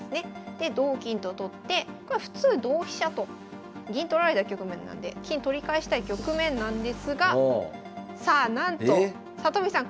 で同金と取ってここは普通同飛車と銀取られた局面なので金取り返したい局面なんですがさあなんと里見さん